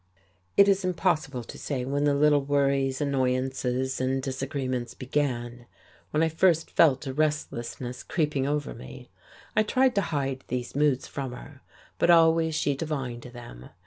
It is impossible to say when the little worries, annoyances and disagreements began, when I first felt a restlessness creeping over me. I tried to hide these moods from her, but always she divined them.